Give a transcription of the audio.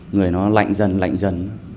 người nó lạnh dần lạnh dần